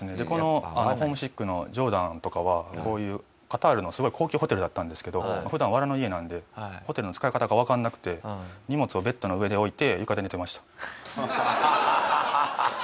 このホームシックのジョーダンとかはこういうカタールのすごい高級ホテルだったんですけど普段わらの家なんでホテルの使い方がわかんなくてそりゃホームシックになるわ。